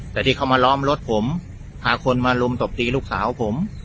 แต่ที่เขามาล้อมรถผมพาคนมารุมตบตีลูกสาวผม